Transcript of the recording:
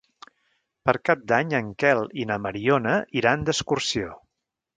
Per Cap d'Any en Quel i na Mariona iran d'excursió.